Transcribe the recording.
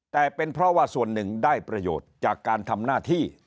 แต่เป็นเพราะว่าส่วนหนึ่งได้ประโยชน์จากการทำหน้าที่